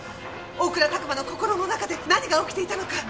大倉琢磨の心の中で何が起きていたのか。